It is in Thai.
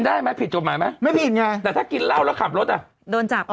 ได้ไม่ผิดปฏิบันไหมไม่พิดแต่ถ้ากินเหล้าแล้วขับรถอ่ะโดนจับอ่อ